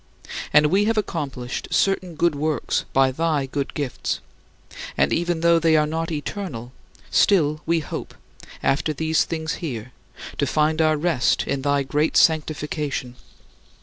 And we have accomplished certain good works by thy good gifts, and even though they are not eternal, still we hope, after these things here, to find our rest in thy great sanctification.